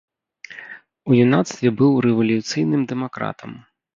У юнацтве быў рэвалюцыйным дэмакратам.